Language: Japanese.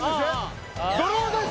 ドローです